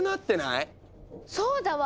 そうだわ！